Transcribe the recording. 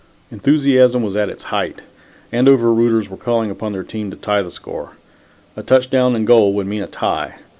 Enthusiasm was at its height. Andover rooters were calling upon their team to tie the score. A touchdown and goal would mean a tie.